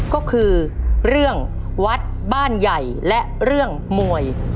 ก็คือเรื่องวัดบ้านใหญ่และเรื่องมวย